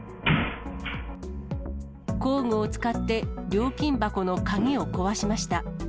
工具を使って料金箱の鍵を壊しました。